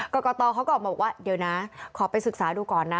กรกตเขาก็ออกมาบอกว่าเดี๋ยวนะขอไปศึกษาดูก่อนนะ